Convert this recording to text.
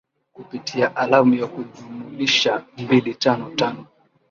kupitia alamu ya kujumulisha mbili tano tano